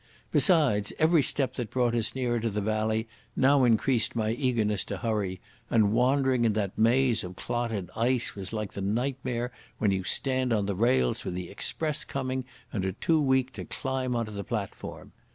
Besides, every step that brought us nearer to the valley now increased my eagerness to hurry, and wandering in that maze of clotted ice was like the nightmare when you stand on the rails with the express coming and are too weak to climb on the platform.